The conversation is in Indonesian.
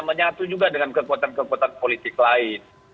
menyatu juga dengan kekuatan kekuatan politik lain